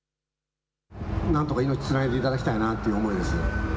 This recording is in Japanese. なんとか命をつないでいただきたいという思いです。